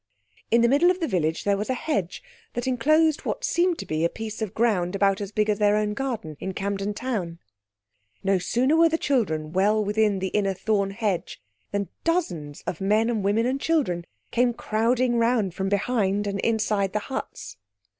In the middle of the village there was a hedge that enclosed what seemed to be a piece of ground about as big as their own garden in Camden Town. No sooner were the children well within the inner thorn hedge than dozens of men and women and children came crowding round from behind and inside the huts.